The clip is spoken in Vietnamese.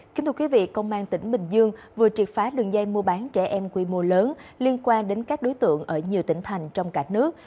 kính thưa quý vị công an tỉnh bình dương vừa triệt phá đường dây mua bán trẻ em quy mô lớn liên quan đến các đối tượng ở nhiều tỉnh thành trong cả nước